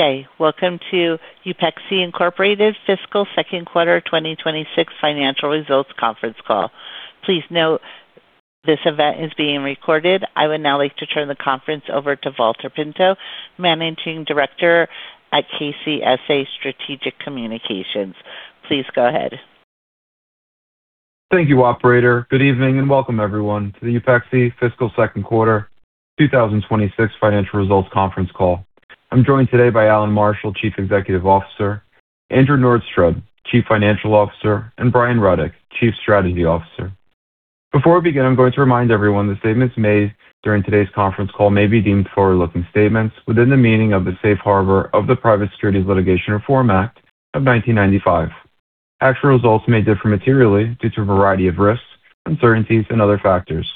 Okay, welcome to Upexi Incorporated's Fiscal Second Quarter 2026 Financial Results Conference Call. Please note, this event is being recorded. I would now like to turn the conference over to Valter Pinto, Managing Director at KCSA Strategic Communications. Please go ahead. Thank you, Operator. Good evening and welcome, everyone, to the Upexi Fiscal Second Quarter 2026 Financial Results Conference Call. I'm joined today by Allan Marshall, Chief Executive Officer; Andrew Norstrud, Chief Financial Officer; and Brian Rudick, Chief Strategy Officer. Before we begin, I'm going to remind everyone that statements made during today's conference call may be deemed forward-looking statements within the meaning of the Safe Harbor of the Private Securities Litigation Reform Act of 1995. Actual results may differ materially due to a variety of risks, uncertainties, and other factors.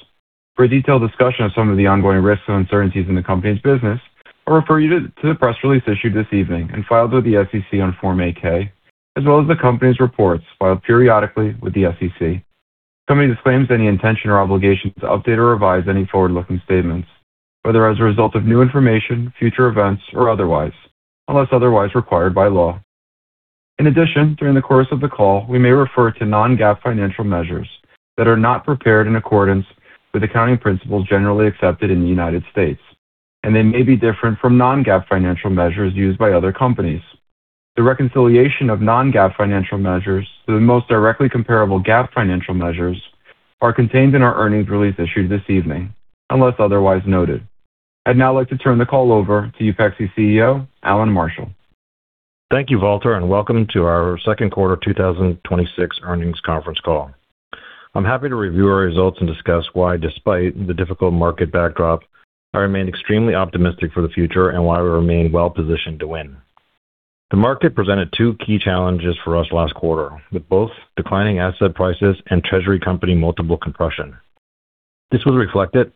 For a detailed discussion of some of the ongoing risks and uncertainties in the company's business, I'll refer you to the press release issued this evening and filed with the SEC on Form 8-K, as well as the company's reports filed periodically with the SEC. The company disclaims any intention or obligation to update or revise any forward-looking statements, whether as a result of new information, future events, or otherwise, unless otherwise required by law. In addition, during the course of the call, we may refer to non-GAAP financial measures that are not prepared in accordance with accounting principles generally accepted in the United States, and they may be different from non-GAAP financial measures used by other companies. The reconciliation of non-GAAP financial measures to the most directly comparable GAAP financial measures are contained in our earnings release issued this evening, unless otherwise noted. I'd now like to turn the call over to Upexi CEO Allan Marshall. Thank you, Valter, and welcome to our Second Quarter 2026 Earnings Conference Call. I'm happy to review our results and discuss why, despite the difficult market backdrop, I remain extremely optimistic for the future and why we remain well-positioned to win. The market presented two key challenges for us last quarter, with both declining asset prices and treasury company multiple compression. This was reflected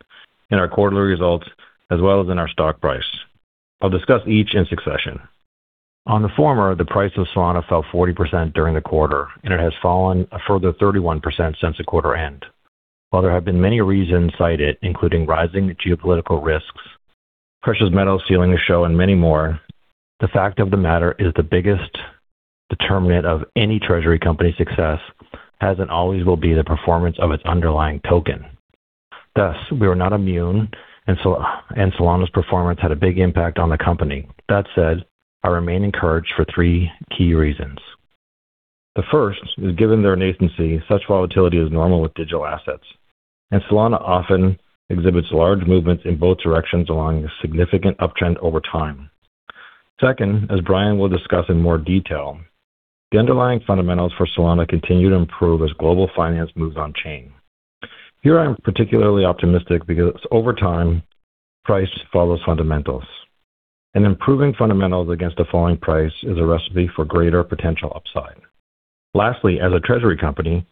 in our quarterly results as well as in our stock price. I'll discuss each in succession. On the former, the price of Solana fell 40% during the quarter, and it has fallen a further 31% since the quarter end. While there have been many reasons cited, including rising geopolitical risks, precious metals stealing the show, and many more, the fact of the matter is the biggest determinant of any treasury company success has and always will be the performance of its underlying token. Thus, we were not immune, and Solana's performance had a big impact on the company. That said, I remain encouraged for three key reasons. The first is, given their nascency, such volatility is normal with digital assets, and Solana often exhibits large movements in both directions along a significant uptrend over time. Second, as Brian will discuss in more detail, the underlying fundamentals for Solana continue to improve as global finance moves on-chain. Here I'm particularly optimistic because, over time, price follows fundamentals, and improving fundamentals against a falling price is a recipe for greater potential upside. Lastly, as a treasury company,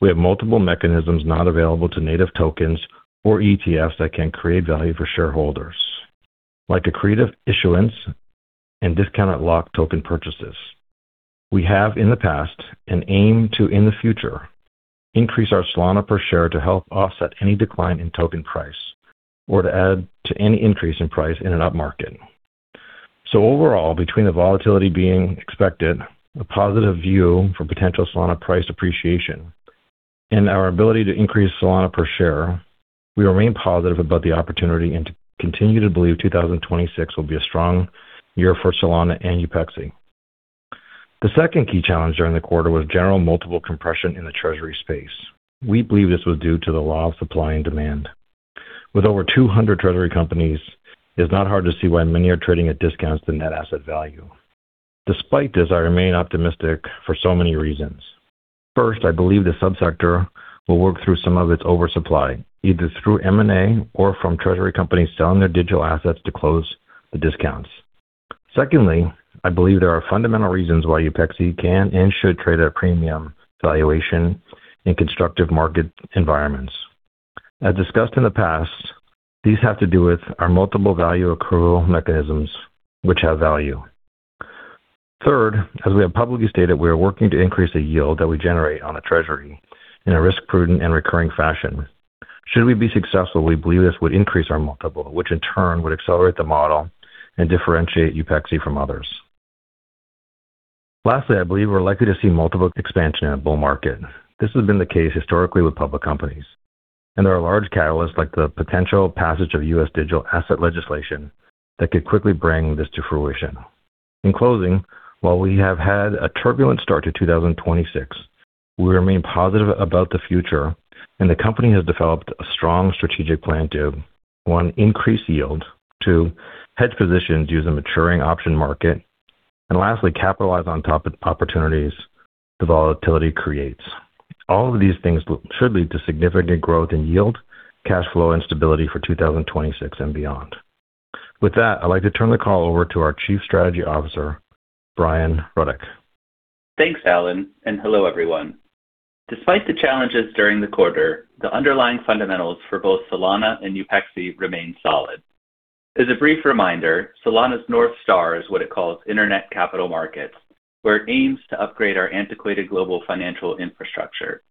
we have multiple mechanisms not available to native tokens or ETFs that can create value for shareholders, like accretive issuance and discounted locked token purchases. We have, in the past, and aim to, in the future, increase our Solana per share to help offset any decline in token price or to add to any increase in price in an upmarket. So overall, between the volatility being expected, a positive view for potential Solana price appreciation, and our ability to increase Solana per share, we remain positive about the opportunity and continue to believe 2026 will be a strong year for Solana and Upexi. The second key challenge during the quarter was general multiple compression in the treasury space. We believe this was due to the law of supply and demand. With over 200 treasury companies, it is not hard to see why many are trading at discounts to net asset value. Despite this, I remain optimistic for so many reasons. First, I believe the subsector will work through some of its oversupply, either through M&A or from treasury companies selling their digital assets to close the discounts. Secondly, I believe there are fundamental reasons why Upexi can and should trade at a premium valuation in constructive market environments. As discussed in the past, these have to do with our multiple value accrual mechanisms, which have value. Third, as we have publicly stated, we are working to increase the yield that we generate on the treasury in a risk-prudent and recurring fashion. Should we be successful, we believe this would increase our multiple, which in turn would accelerate the model and differentiate Upexi from others. Lastly, I believe we're likely to see multiple expansion in a bull market. This has been the case historically with public companies, and there are large catalysts like the potential passage of U.S. Digital asset legislation that could quickly bring this to fruition. In closing, while we have had a turbulent start to 2026, we remain positive about the future, and the company has developed a strong strategic plan to: one, increase yield; two, hedge positions use a maturing option market; and lastly, capitalize on top opportunities the volatility creates. All of these things should lead to significant growth in yield, cash flow, and stability for 2026 and beyond. With that, I'd like to turn the call over to our Chief Strategy Officer, Brian Rudick. Thanks, Allan, and hello, everyone. Despite the challenges during the quarter, the underlying fundamentals for both Solana and Upexi remain solid. As a brief reminder, Solana's North Star is what it calls internet capital markets, where it aims to upgrade our antiquated global financial infrastructure.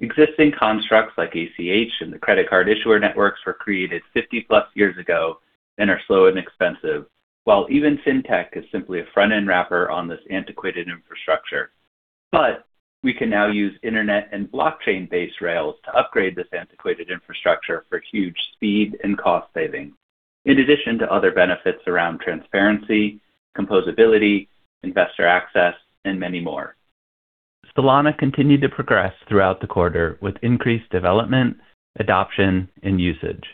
Existing constructs like ACH and the credit card issuer networks were created 50+ years ago and are slow and expensive, while even fintech is simply a front-end wrapper on this antiquated infrastructure. But we can now use internet and blockchain-based rails to upgrade this antiquated infrastructure for huge speed and cost savings, in addition to other benefits around transparency, composability, investor access, and many more. Solana continued to progress throughout the quarter with increased development, adoption, and usage.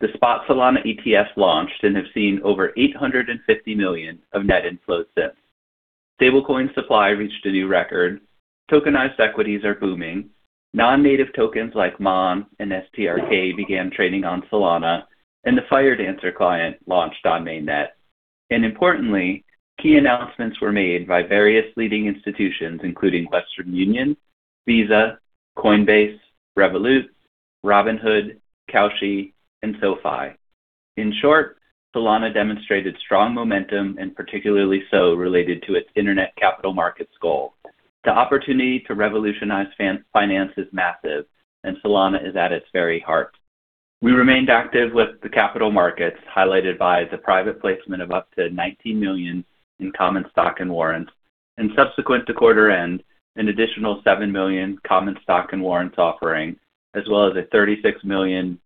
The spot Solana ETFs launched and have seen over $850 million of net inflows since. Stablecoin supply reached a new record, tokenized equities are booming, non-native tokens like MON and STRK began trading on Solana, and the Firedancer client launched on Mainnet. Importantly, key announcements were made by various leading institutions, including Western Union, Visa, Coinbase, Revolut, Kalshi, and SoFi. In short, Solana demonstrated strong momentum, and particularly so related to its internet capital markets goal. The opportunity to revolutionize finance is massive, and Solana is at its very heart. We remained active with the capital markets, highlighted by the private placement of up to $19 million in common stock and warrants, and subsequent to quarter end, an additional $7 million common stock and warrants offering, as well as a $36 million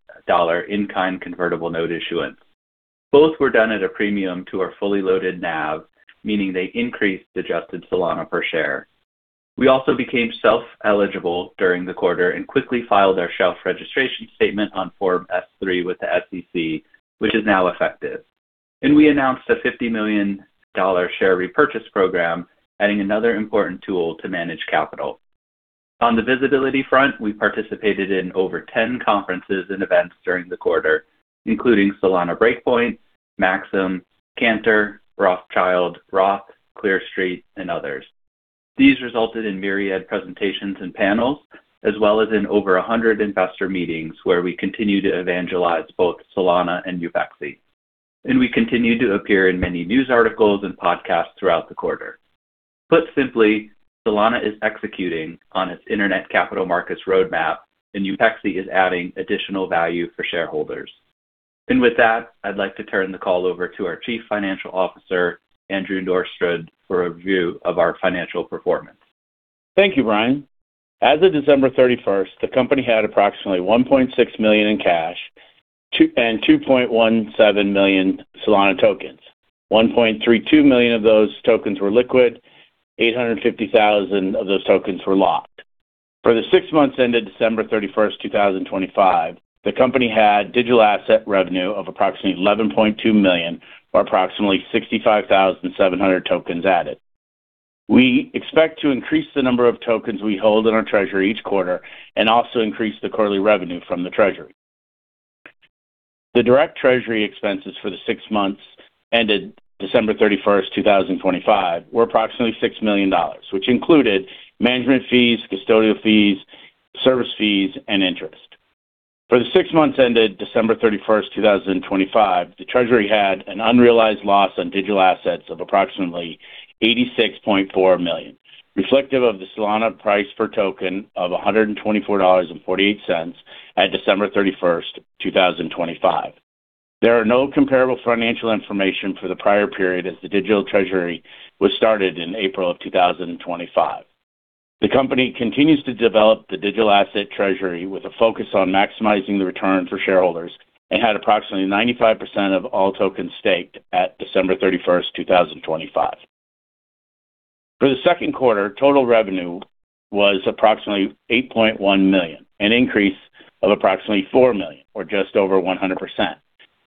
in-kind convertible note issuance. Both were done at a premium to our fully loaded NAV, meaning they increased the adjusted Solana per share. We also became shelf-eligible during the quarter and quickly filed our shelf registration statement on Form S-3 with the SEC, which is now effective. We announced a $50 million share repurchase program, adding another important tool to manage capital. On the visibility front, we participated in over 10 conferences and events during the quarter, including Solana Breakpoint, Maxim, Cantor, Rothschild, Roth, Clear Street, and others. These resulted in myriad presentations and panels, as well as in over 100 investor meetings where we continue to evangelize both Solana and Upexi. We continue to appear in many news articles and podcasts throughout the quarter. Put simply, Solana is executing on its internet capital markets roadmap, and Upexi is adding additional value for shareholders. With that, I'd like to turn the call over to our Chief Financial Officer, Andrew Norstrud, for a review of our financial performance. Thank you, Brian. As of December 31st, the company had approximately $1.6 million in cash and 2.17 million Solana tokens. 1.32 million of those tokens were liquid, 850,000 of those tokens were locked. For the six months ended December 31st, 2025, the company had digital asset revenue of approximately $11.2 million or approximately 65,700 tokens added. We expect to increase the number of tokens we hold in our treasury each quarter and also increase the quarterly revenue from the treasury. The direct treasury expenses for the six months ended December 31st, 2025, were approximately $6 million, which included management fees, custodial fees, service fees, and interest. For the six months ended December 31st, 2025, the treasury had an unrealized loss on digital assets of approximately $86.4 million, reflective of the Solana price per token of $124.48 at December 31st, 2025. There are no comparable financial information for the prior period as the digital treasury was started in April of 2025. The company continues to develop the digital asset treasury with a focus on maximizing the return for shareholders and had approximately 95% of all tokens staked at December 31st, 2025. For the second quarter, total revenue was approximately $8.1 million, an increase of approximately $4 million or just over 100%,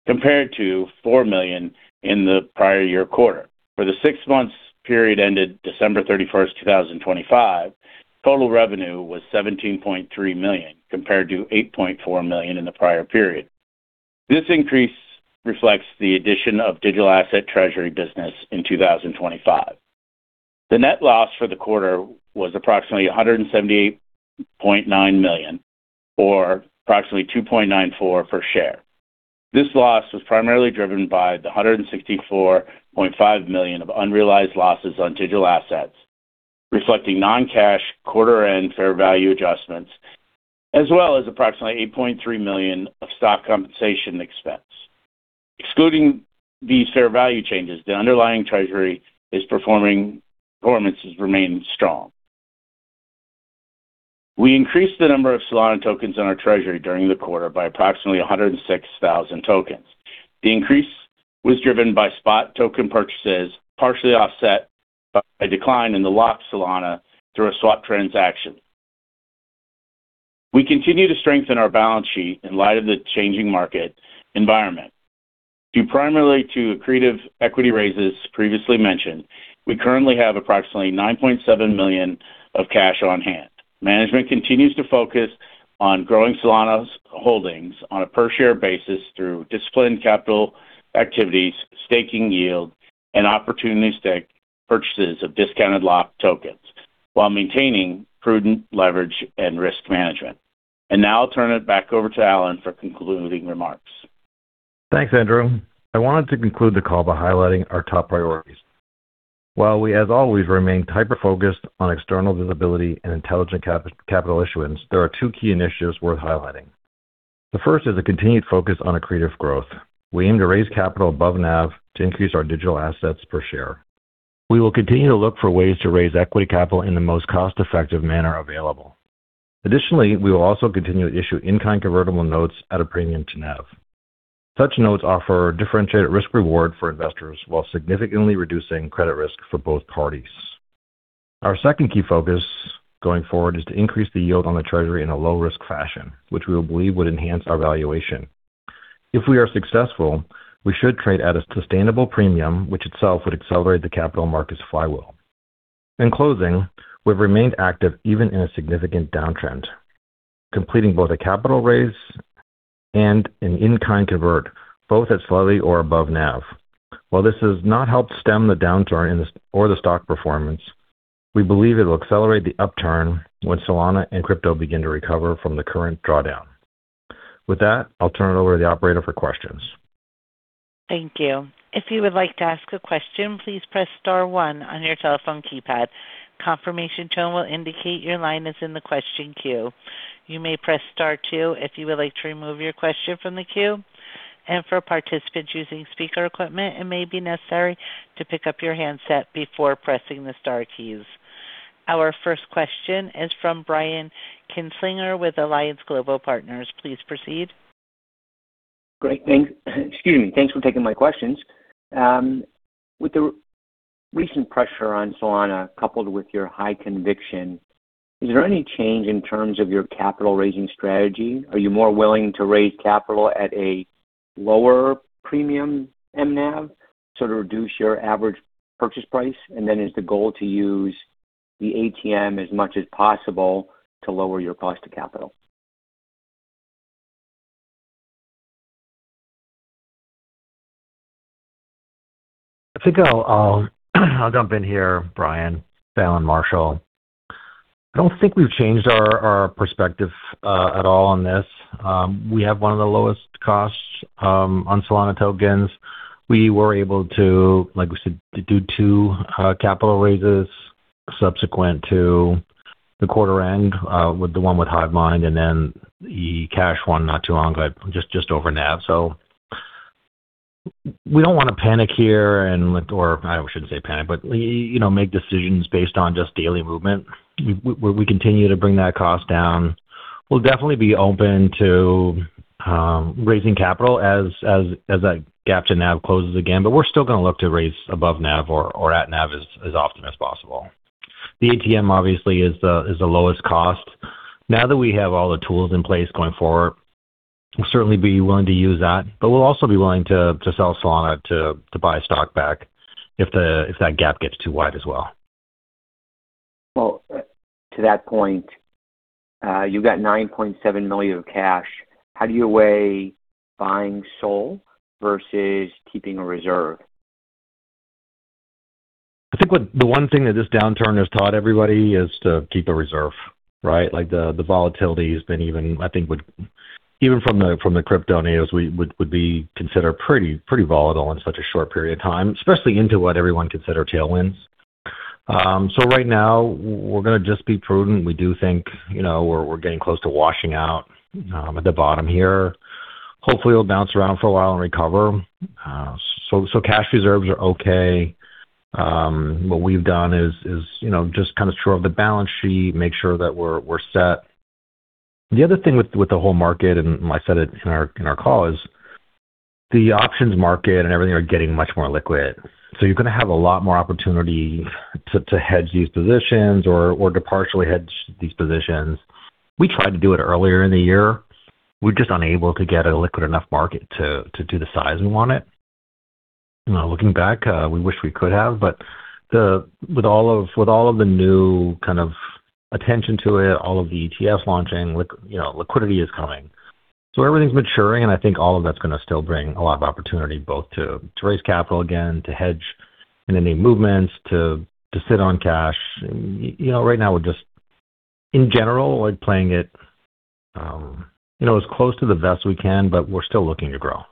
compared to $4 million in the prior year quarter. For the six months period ended December 31st, 2025, total revenue was $17.3 million, compared to $8.4 million in the prior period. This increase reflects the addition of digital asset treasury business in 2025. The net loss for the quarter was approximately $178.9 million or approximately $2.94 per share. This loss was primarily driven by the $164.5 million of unrealized losses on digital assets, reflecting non-cash quarter-end fair value adjustments, as well as approximately $8.3 million of stock compensation expense. Excluding these fair value changes, the underlying treasury performance has remained strong. We increased the number of Solana tokens in our treasury during the quarter by approximately 106,000 tokens. The increase was driven by spot token purchases, partially offset by a decline in the locked Solana through a swap transaction. We continue to strengthen our balance sheet in light of the changing market environment. Primarily to accretive equity raises previously mentioned, we currently have approximately $9.7 million of cash on hand. Management continues to focus on growing Solana's holdings on a per-share basis through disciplined capital activities, staking yield, and opportunity stake purchases of discounted locked tokens while maintaining prudent leverage and risk management. Now I'll turn it back over to Allan for concluding remarks. Thanks, Andrew. I wanted to conclude the call by highlighting our top priorities. While we, as always, remain hyper-focused on external visibility and intelligent capital issuance, there are two key initiatives worth highlighting. The first is a continued focus on accretive growth. We aim to raise capital above NAV to increase our digital assets per share. We will continue to look for ways to raise equity capital in the most cost-effective manner available. Additionally, we will also continue to issue in-kind convertible notes at a premium to NAV. Such notes offer differentiated risk-reward for investors while significantly reducing credit risk for both parties. Our second key focus going forward is to increase the yield on the treasury in a low-risk fashion, which we believe would enhance our valuation. If we are successful, we should trade at a sustainable premium, which itself would accelerate the capital market's flywheel. In closing, we've remained active even in a significant downtrend, completing both a capital raise and an in-kind convert, both at slightly or above NAV. While this has not helped stem the downturn or the stock performance, we believe it will accelerate the upturn when Solana and crypto begin to recover from the current drawdown. With that, I'll turn it over to the operator for questions. Thank you. If you would like to ask a question, please press star one on your telephone keypad. Confirmation tone will indicate your line is in the question queue. You may press star two if you would like to remove your question from the queue. For participants using speaker equipment, it may be necessary to pick up your handset before pressing the star keys. Our first question is from Brian Kinstlinger with Alliance Global Partners. Please proceed. Great. Thanks. Excuse me. Thanks for taking my questions. With the recent pressure on Solana coupled with your high conviction, is there any change in terms of your capital raising strategy? Are you more willing to raise capital at a lower premium to NAV, so to reduce your average purchase price, and then is the goal to use the ATM as much as possible to lower your cost of capital? I think I'll jump in here, Brian. Allan Marshall. I don't think we've changed our perspective at all on this. We have one of the lowest costs on Solana tokens. We were able to, like we said, do two capital raises subsequent to the quarter end with the one with Hivemind and then the cash one not too long ago, just over NAV. So we don't want to panic here or I shouldn't say panic, but make decisions based on just daily movement. We continue to bring that cost down. We'll definitely be open to raising capital as that gap to NAV closes again, but we're still going to look to raise above NAV or at NAV as often as possible. The ATM, obviously, is the lowest cost. Now that we have all the tools in place going forward, we'll certainly be willing to use that, but we'll also be willing to sell Solana to buy stock back if that gap gets too wide as well. Well, to that point, you've got $9.7 million of cash. How do you weigh buying SOL versus keeping a reserve? I think the one thing that this downturn has taught everybody is to keep a reserve, right? The volatility has been even, I think, even from the crypto lens, would be considered pretty volatile in such a short period of time, especially into what everyone considers tailwinds. So right now, we're going to just be prudent. We do think we're getting close to washing out at the bottom here. Hopefully, it'll bounce around for a while and recover. So cash reserves are okay. What we've done is just kind of stressed the balance sheet, make sure that we're set. The other thing with the whole market, and I said it in our call, is the options market and everything are getting much more liquid. So you're going to have a lot more opportunity to hedge these positions or to partially hedge these positions. We tried to do it earlier in the year. We're just unable to get a liquid enough market to do the size we want it. Looking back, we wish we could have, but with all of the new kind of attention to it, all of the ETFs launching, liquidity is coming. So everything's maturing, and I think all of that's going to still bring a lot of opportunity, both to raise capital again, to hedge in any movements, to sit on cash. Right now, we're just, in general, playing it as close to the vest we can, but we're still looking to grow.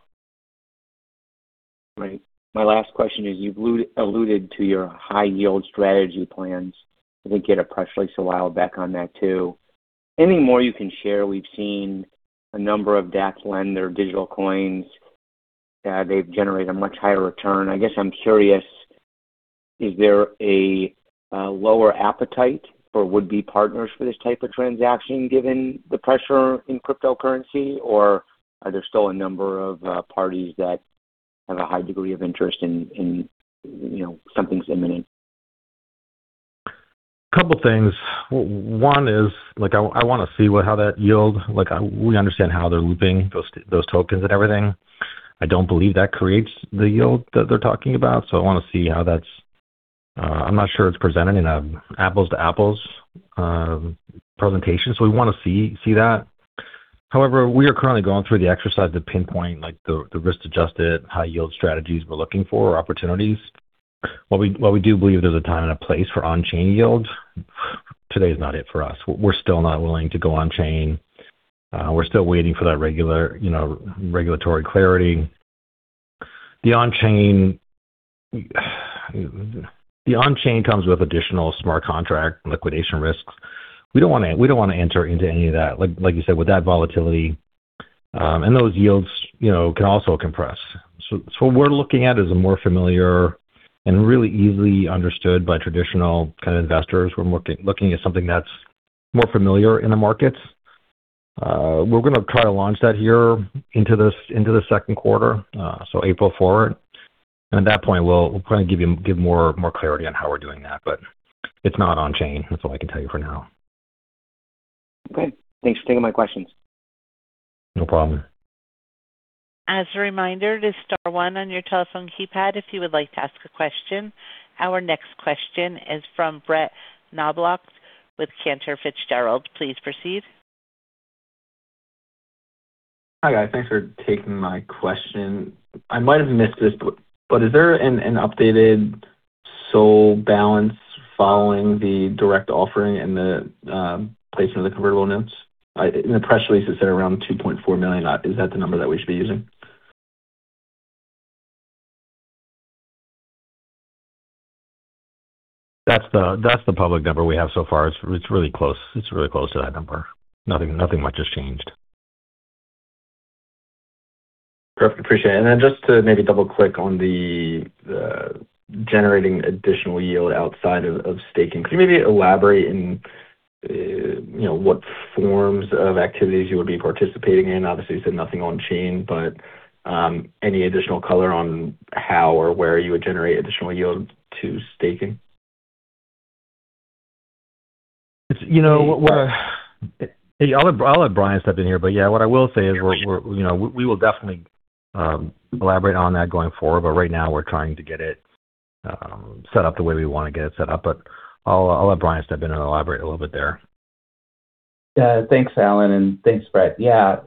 Right. My last question is, you've alluded to your high-yield strategy plans. I think you had a press release a while back on that too. Any more you can share? We've seen a number of DEX lender digital coins. They've generated a much higher return. I guess I'm curious, is there a lower appetite for would-be partners for this type of transaction given the pressure in cryptocurrency, or are there still a number of parties that have a high degree of interest in something's imminent? A couple of things. One is, I want to see how that yield. We understand how they're looping those tokens and everything. I don't believe that creates the yield that they're talking about, so I want to see how that's. I'm not sure it's presented in an apples-to-apples presentation, so we want to see that. However, we are currently going through the exercise to pinpoint the risk-adjusted, high-yield strategies we're looking for or opportunities. While we do believe there's a time and a place for on-chain yield, today is not it for us. We're still not willing to go on-chain. We're still waiting for that regulatory clarity. The on-chain comes with additional smart contract liquidation risks. We don't want to enter into any of that. Like you said, with that volatility and those yields can also compress. So what we're looking at is a more familiar and really easily understood by traditional kind of investors. We're looking at something that's more familiar in the markets. We're going to try to launch that here into the second quarter, so April forward. At that point, we'll kind of give more clarity on how we're doing that, but it's not on-chain. That's all I can tell you for now. Okay. Thanks for taking my questions. No problem. As a reminder, there's star one on your telephone keypad if you would like to ask a question. Our next question is from Brett Knoblauch with Cantor Fitzgerald. Please proceed. Hi guys. Thanks for taking my question. I might have missed this, but is there an updated SOL balance following the direct offering and the placement of the convertible notes? In the press release, it said around 2.4 million. Is that the number that we should be using? That's the public number we have so far. It's really close. It's really close to that number. Nothing much has changed. Perfect. Appreciate it. And then just to maybe double-click on the generating additional yield outside of staking, could you maybe elaborate on what forms of activities you would be participating in? Obviously, you said nothing on-chain, but any additional color on how or where you would generate additional yield to staking? I'll let Brian step in here, but yeah, what I will say is we will definitely elaborate on that going forward, but right now, we're trying to get it set up the way we want to get it set up. But I'll let Brian step in and elaborate a little bit there. Yeah. Thanks, Allan, and thanks, Brett. Yeah.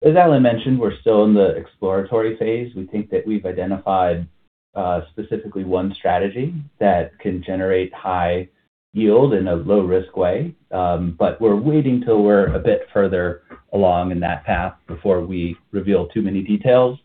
As Allan mentioned, we're still in the exploratory phase. We think that we've identified specifically one strategy that can generate high yield in a low-risk way, but we're waiting till we're a bit further along in that path before we reveal too many details.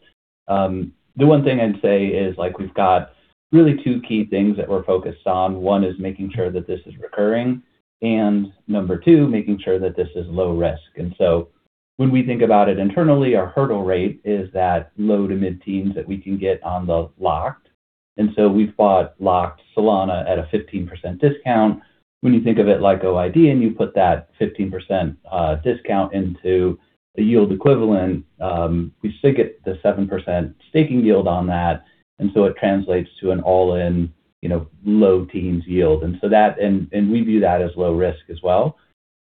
The one thing I'd say is we've got really two key things that we're focused on. One is making sure that this is recurring, and number two, making sure that this is low-risk. And so when we think about it internally, our hurdle rate is that low- to mid-teens that we can get on the locked. And so we've bought locked Solana at a 15% discount. When you think of it like OID and you put that 15% discount into a yield equivalent, we sit at the 7% staking yield on that, and so it translates to an all-in low-teens yield. We view that as low-risk as well.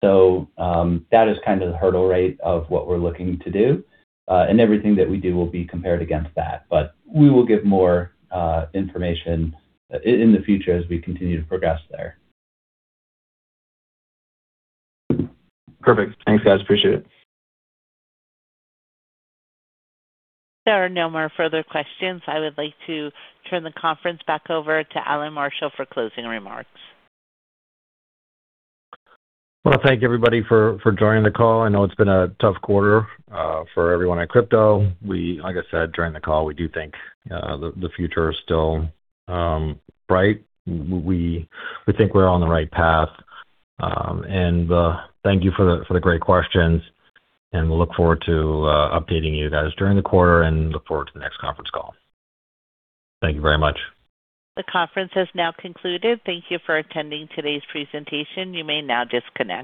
That is kind of the hurdle rate of what we're looking to do. Everything that we do will be compared against that, but we will give more information in the future as we continue to progress there. Perfect. Thanks, guys. Appreciate it. There are no more further questions. I would like to turn the conference back over to Allan Marshall for closing remarks. Want to thank everybody for joining the call. I know it's been a tough quarter for everyone in crypto. Like I said, during the call, we do think the future is still bright. We think we're on the right path. And thank you for the great questions, and we'll look forward to updating you guys during the quarter and look forward to the next conference call. Thank you very much. The conference has now concluded. Thank you for attending today's presentation. You may now disconnect.